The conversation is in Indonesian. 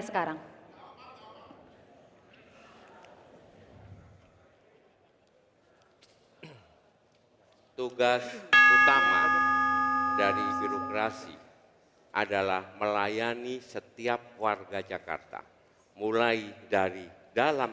sekarang tugas utama dari birokrasi adalah melayani setiap warga jakarta mulai dari dalam